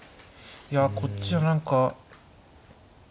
いやこっちは何か。